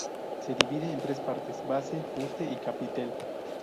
Se divide en tres partes: base, fuste y capitel.